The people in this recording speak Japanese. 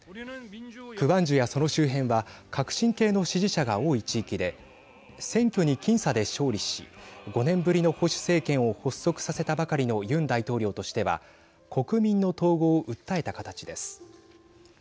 クワンジュや、その周辺は革新系の支持者が多い地域で選挙に僅差で勝利し５年ぶりの保守政権を発足させたばかりのユン大統領としては国民の統合を訴えた形です。